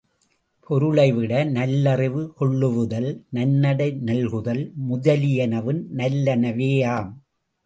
பொருளை விட, நல்லறிவு கொளுவுதல், நன்னடை நல்குதல் முதலியனவும் நல்லனவேயாம்.